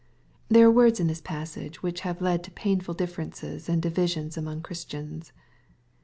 There are words in this passage which have led to pain ful differences and divisions among Christians.